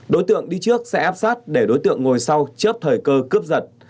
đối tượng đi trước sẽ áp sát để đối tượng ngồi sau chớp thời cơ cướp giật